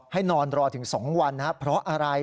นอนรอถึง๒วันนะครับเพราะอะไร